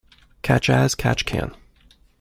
Catch as catch can.